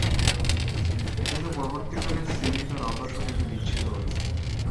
কিন্তু পরবর্তী কালে সিমি তার আদর্শ থেকে বিচ্যুত হয়েছে।